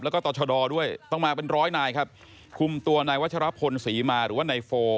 แล้วก็ต่อชะดอด้วยต้องมาเป็นร้อยนายครับคุมตัวนายวัชรพลศรีมาหรือว่านายโฟ